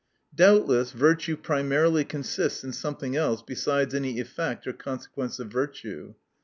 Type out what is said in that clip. * Doubtless virtue primarily consists in something else besides any effect or consequence of virtue.